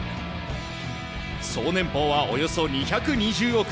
総年俸はおよそ２２０億円。